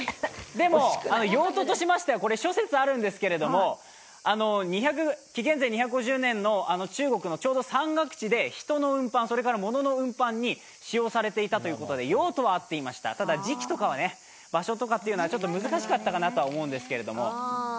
でも用途としては諸説あるんですけれども、紀元前２５０年の中国の、ちょうど山岳地で人の運搬、それから物の運搬に使用されたということで用途は合っていました、ただ時期とか場所とかというのは難しかったかなと思うんですけれども。